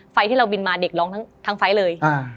ที่เราบินมาเด็กร้องทั้งไฟล์เลย